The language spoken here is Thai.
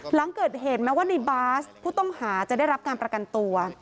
หลังเกิดเหตุแม้ว่าในบาสผู้ต้องหาจะได้รับการประกันตัว